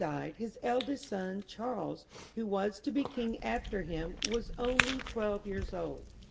died, his eldest son Charles, who was to be king after him, was only twelve years old.